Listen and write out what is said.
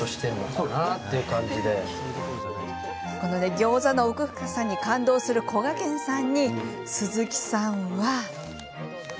ギョーザの奥深さに感動するこがけんさんに鈴木さんは。